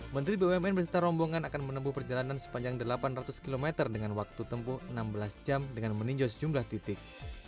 menteri bumn berserta rombongan akan menempuh perjalanan sepanjang delapan ratus km dengan waktu tempuh enam belas jam dengan meninjau sejumlah titik